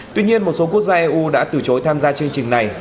tuy nhiên một số quốc gia eu đã từ chối tham gia chương trình này